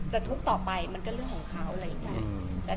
จะทุกข์ต่อไปมันก็เรื่องของเขา